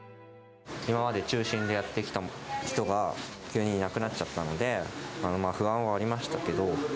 今まで中心でやってきた人が、急にいなくなっちゃったので、まあ、不安はありましたけど。